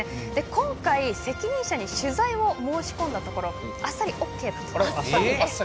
今回、責任者に取材を申し込んだところあっさりＯＫが出ました。